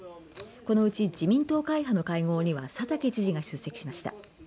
このうち自民党会派の会合には佐竹知事が出席しました。